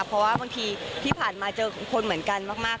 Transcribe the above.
เพราะว่าบางทีที่ผ่านมาเจอคนเหมือนกันมาก